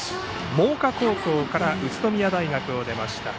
真岡高校から宇都宮大学を出ました。